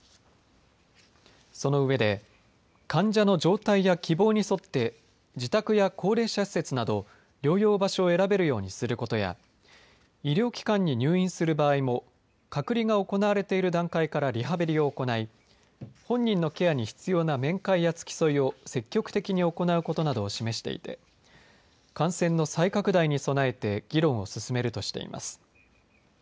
その上で患者の状態や希望に沿って自宅や高齢者施設など療養場所を選べるようにすることや医療機関に入院する場合も隔離が行われている段階からリハビリを行い本人のケアに必要な面会や付き添いを積極的に行うことなどを示していて感染の再拡大に備えて議論を進めるとしています。